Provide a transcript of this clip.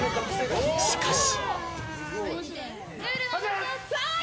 しかし。